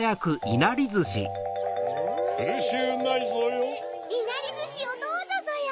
いなりずしをどうぞぞよ。